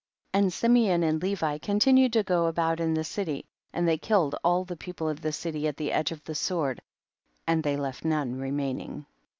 25. And Simeon and Levi continu ed to go about in the city, and they killed all the people of the city at the edge of the sword, and they left none remaining.